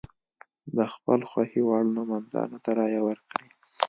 د خپل خوښې وړ نوماندانو ته رایه ورکړي.